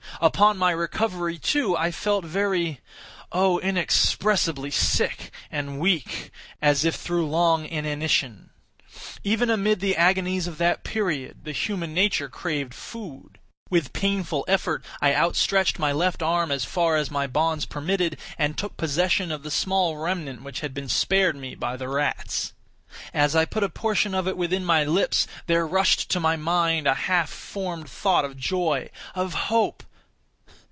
Upon my recovery, too, I felt very—oh! inexpressibly—sick and weak, as if through long inanition. Even amid the agonies of that period, the human nature craved food. With painful effort I outstretched my left arm as far as my bonds permitted, and took possession of the small remnant which had been spared me by the rats. As I put a portion of it within my lips, there rushed to my mind a half formed thought of joy—of hope.